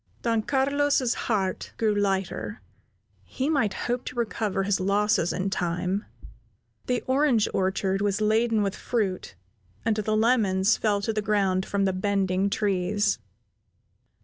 Don Carlos's heart grew lighter; he might hope to recover his losses in time. The orange orchard was laden with fruit, and the lemons fell to the ground from the bending trees.